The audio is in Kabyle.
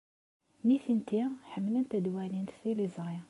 Nitenti ḥemmlent ad walint tiliẓri.